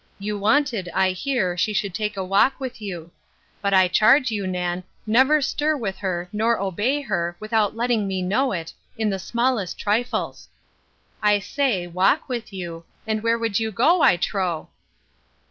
You wanted, I hear, she should take a walk with you. But I charge you, Nan, never stir with her, nor obey her, without letting me know it, in the smallest trifles.—I say, walk with you! and where would you go, I tro'?